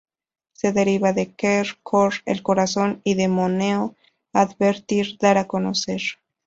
Se deriva de "ker", "cor", el corazón y de "moneo", advertir, dar a conocer.